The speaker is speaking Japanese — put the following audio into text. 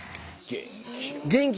元気。